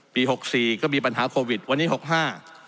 หกสี่ก็มีปัญหาโควิดวันนี้หกห้า